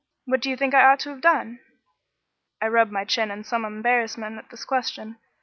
What do you think I ought to have done?" I rubbed my chin in some embarrassment at this question.